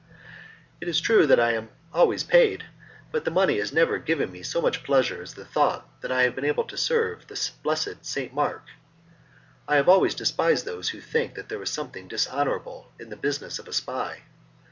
It is true that I am always paid, but the money has never given me so much pleasure as the thought that I have been able to serve the blessed St. Mark. I have always despised those who think there is something dishonourable in the business of a spy.